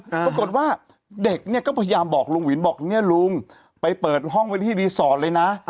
ปรากฏว่าเด็กก็พยายามบอกวินว่าไปเปิดห้องไปที่วิทยาลุง